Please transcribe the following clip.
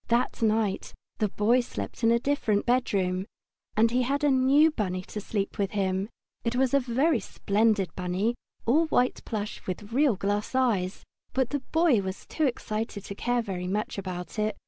That night the Boy slept in a different bedroom, and he had a new bunny to sleep with him. It was a splendid bunny, all white plush with real glass eyes, but the Boy was too excited to care very much about it.